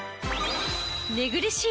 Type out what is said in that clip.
寝苦しい